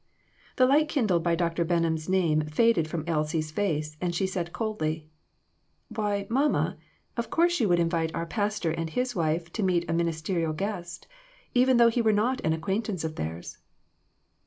The light kindled by Dr. Benham's name faded from Elsie's face, and she said coldly "Why, mamma, of course you would invite our pastor and his wife to meet a ministerial guest, even though he were not an acquaintance of theirs."